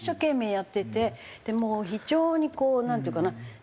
もう非常にこうなんていうかな？